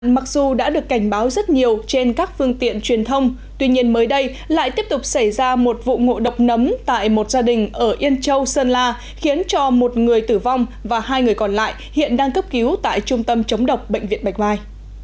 mặc dù đã được cảnh báo rất nhiều trên các phương tiện truyền thông tuy nhiên mới đây lại tiếp tục xảy ra một vụ ngộ độc nấm tại một gia đình ở yên châu sơn la khiến cho một người tử vong và hai người còn lại hiện đang cấp cứu tại trung tâm chống độc bệnh viện bạch mai